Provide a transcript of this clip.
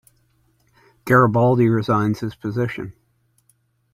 Garibaldi resigns his position.